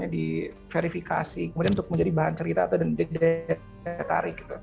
di verifikasi kemudian untuk menjadi bahan cerita dan jadi tarik